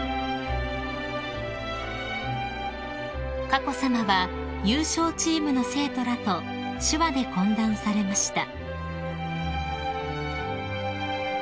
［佳子さまは優勝チームの生徒らと手話で懇談されました］